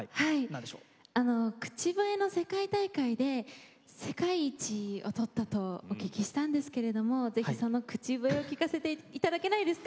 口笛の世界大会で世界一を取ったとお聞きしたんですけれどもぜひその口笛を聴かせて頂けないですか。